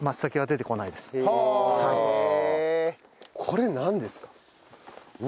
これなんですか？